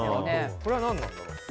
これは何なんだろう？